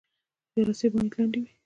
جلسې باید لنډې وي